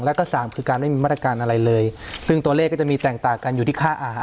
แล้วก็สามคือการไม่มีมาตรการอะไรเลยซึ่งตัวเลขก็จะมีแตกต่างกันอยู่ที่ค่าอาหาร